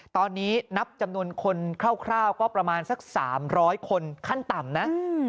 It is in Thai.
ตอนนี้นับจำนวนคนคร่าวก็ประมาณสัก๓๐๐คนขั้นต่ำนะ